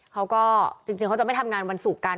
เขาก็จริงเขาจะไม่ทำงานวันศุกร์กัน